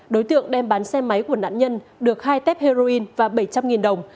đối tượng đem bán xe máy của nạn nhân được hai tép heroin và bảy trăm linh đồng